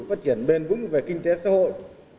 phát triển bền vững về kinh tế xã hội